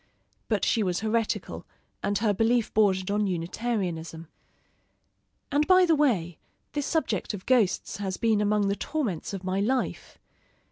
But she was heretical, and her belief bordered on Unitarianism. And by the way, this subject of ghosts has been among the torments of my life.